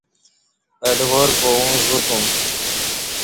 اڈوار با اوں ژ وتُم